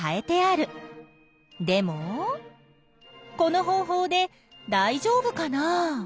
でもこの方法でだいじょうぶかな？